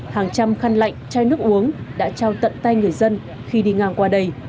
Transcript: hàng trăm khăn lạnh chai nước uống đã trao tận tay người dân khi đi ngang qua đây